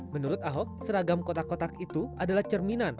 menurut ahok seragam kotak kotak itu adalah cerminan